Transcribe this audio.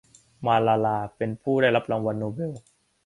มาลาลาเป็นผู้ได้รับรางวัลโนเบล